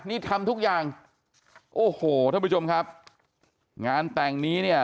นี่ทำทุกอย่างโอ้โหท่านผู้ชมครับงานแต่งนี้เนี่ย